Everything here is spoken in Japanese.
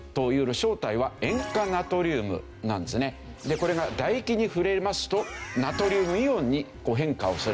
これが唾液に触れますとナトリウムイオンに変化をする。